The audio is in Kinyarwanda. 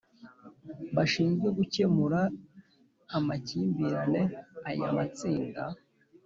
bashinzwe gukemura amakimbirane Aya matsinda